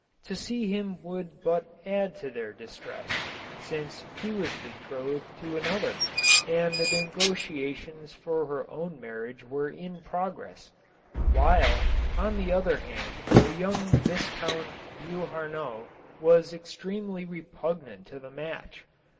To see him would but add to their distress, since he was betrothed to an other, and the negotiations for her own marriage were in progress ; while, on the other hand, the young Vis count Beauharnois was extremely repugnant to the match.